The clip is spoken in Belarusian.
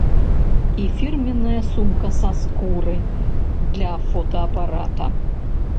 І фірменная сумка са скуры для фотаапарата.